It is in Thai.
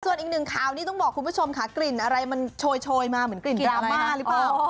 ส่วนอีกหนึ่งข่าวนี้ต้องบอกคุณผู้ชมค่ะกลิ่นอะไรมันโชยมาเหมือนกลิ่นดราม่าหรือเปล่า